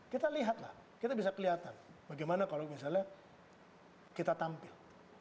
kita lihat lah kita bisa kelihatan bagaimana kalau misalnya kita tampil